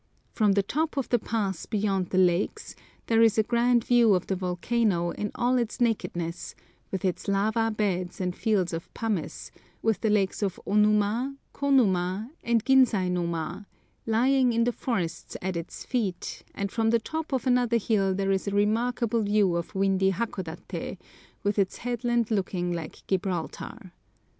From the top of the pass beyond the lakes there is a grand view of the volcano in all its nakedness, with its lava beds and fields of pumice, with the lakes of Onuma, Konuma, and Ginsainoma, lying in the forests at its feet, and from the top of another hill there is a remarkable view of windy Hakodaté, with its headland looking like Gibraltar.